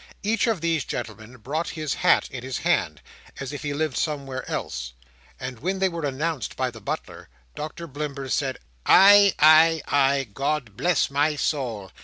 Each of these gentlemen brought his hat in his hand, as if he lived somewhere else; and when they were announced by the butler, Doctor Blimber said, "Ay, ay, ay! God bless my soul!"